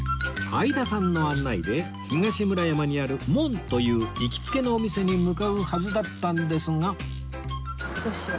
相田さんの案内で東村山にある ＭＯＮ という行きつけのお店に向かうはずだったんですが